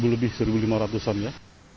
lebih seribu lima ratus an ya